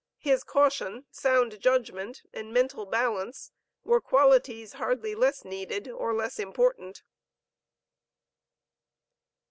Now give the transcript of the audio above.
his caution, sound judgment, and mental balance were qualities hardly less needed or less important.